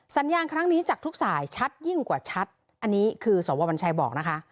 สัญญาณครั้งนี้จากทุกสายชัดยิ่งกว่าชัดอันนี้คือสววัญชัยบอกนะคะ